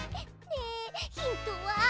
ねえヒントは？